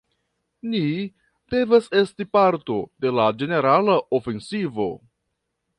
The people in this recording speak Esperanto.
Ni devas esti parto de la ĝenerala ofensivo.